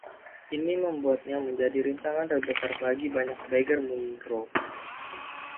Ini membuatnya menjadi rintangan terbesar bagi banyak bagger Munro.